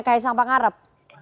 kayaknya sama pengharap